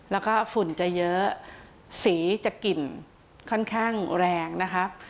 แล้วก็ฝุ่นจะเยอะสีจะกลิ่นค่อนข้างแรงนะครับ